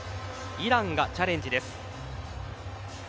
イランがチャレンジです。